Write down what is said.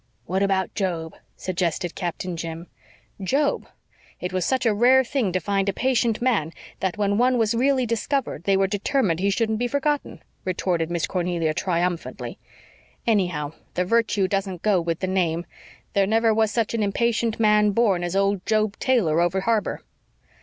"What about Job?" suggested Captain Jim. "Job! It was such a rare thing to find a patient man that when one was really discovered they were determined he shouldn't be forgotten," retorted Miss Cornelia triumphantly. "Anyhow, the virtue doesn't go with the name. There never was such an impatient man born as old Job Taylor over harbor."